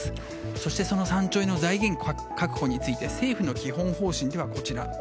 そして３兆円の財源確保について政府の基本方針はこちら。